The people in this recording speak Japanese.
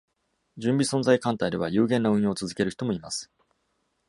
準備存在艦隊では有限な運用を続ける人もいます。